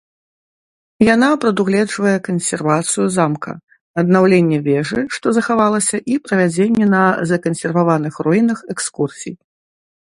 Яна прадугледжвае кансервацыю замка, аднаўленне вежы, што захавалася, і правядзенне на закансерваваных руінах экскурсій.